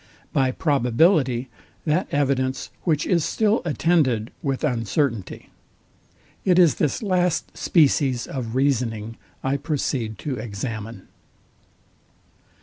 By probability, that evidence, which is still attended with uncertainty. It is this last species of reasoning, I proceed to examine.